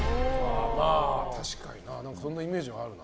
確かに、そんなイメージあるな。